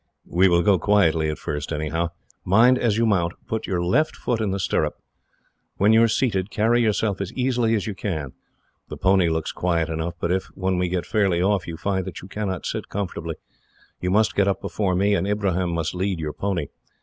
"We will go quietly at first, anyhow. Mind, as you mount, put your left foot in the stirrup. When you are seated, carry yourself as easily as you can. The pony looks quiet enough, but if, when we get fairly off, you find that you cannot sit comfortably, you must get up before me, and Ibrahim must lead your pony.